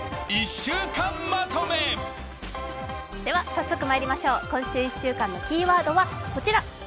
早速まいりましょう今週１週間のキーワードはこちら。